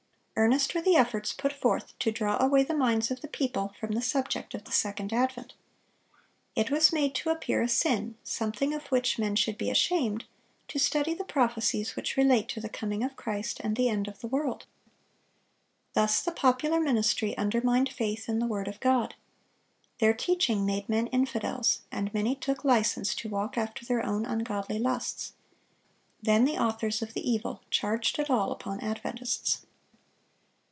Earnest were the efforts put forth to draw away the minds of the people from the subject of the second advent. It was made to appear a sin, something of which men should be ashamed, to study the prophecies which relate to the coming of Christ and the end of the world. Thus the popular ministry undermined faith in the word of God. Their teaching made men infidels, and many took license to walk after their own ungodly lusts. Then the authors of the evil charged it all upon Adventists.